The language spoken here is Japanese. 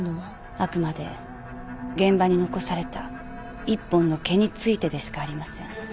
あくまで現場に残された１本の毛についてでしかありません。